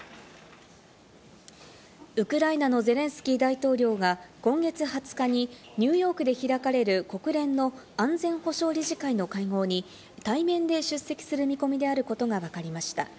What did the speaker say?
ウクライナのゼレンスキー大統領が今月２０日にニューヨークで開かれる国連の安全保障理事会の会合に対面で出席する見込みであることがわかりました。